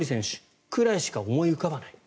それくらいしか思い浮かばない。